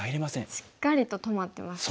しっかりと止まってますね。